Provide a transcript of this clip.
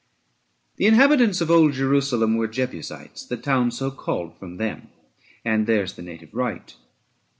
The inhabitants of old Jerusalem (L^ ^ tr^ 85 Were Jebusites; the town so called from them, And theirs the native right.